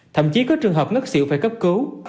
thậm chí có trường hợp ngất xỉu phải cấp cứu